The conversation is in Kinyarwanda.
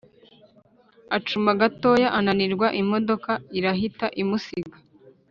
Acuma gatoya ananirwa imodoka irahita imusiga